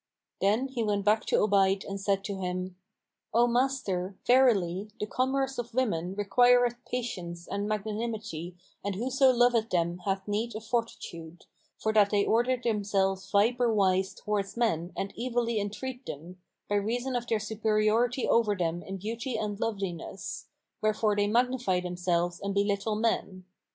Then he went back to Obayd and said to him, "O master, verily, the commerce of women requireth patience and magnanimity and whoso loveth them hath need of fortitude, for that they order themselves viper wise towards men and evilly entreat them, by reason of their superiority over them in beauty and loveliness: wherefore they magnify themselves and belittle men.